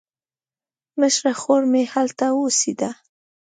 مشره خور مې هلته اوسېده.